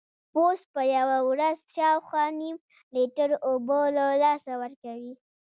پوست په یوه ورځ شاوخوا نیم لیټر اوبه له لاسه ورکوي.